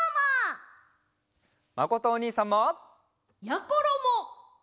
まことおにいさんも！やころも！